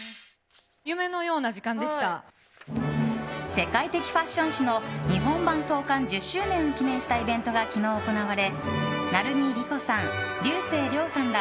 世界的ファッション誌の日本版創刊１０周年を記念したイベントが昨日、行われ成海璃子さん、竜星涼さんら